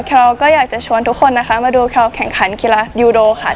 เราก็อยากจะชวนทุกคนนะคะมาดูแควแข่งขันกีฬายูโดค่ะ